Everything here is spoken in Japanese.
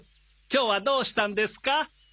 今日はどうしたんですか？